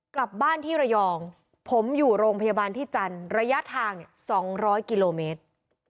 กลับบ้านที่ระยองผมอยู่โรงพยาบาลที่จันทร์ระยะทาง๒๐๐กิโลเมตร